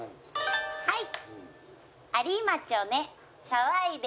はい！